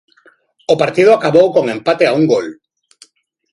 O partido acabou con empate a un gol.